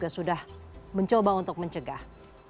sudah mencoba untuk mencegah